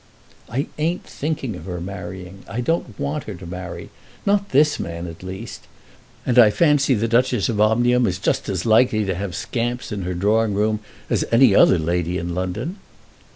"I ain't thinking of her marrying. I don't want her to marry; not this man at least. And I fancy the Duchess of Omnium is just as likely to have scamps in her drawing room as any other lady in London."